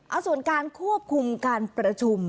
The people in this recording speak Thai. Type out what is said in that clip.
เอาส่วนการควบคุมการประชุม